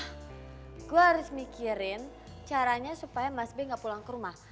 hah gue harus mikirin caranya supaya mas b gak pulang ke rumah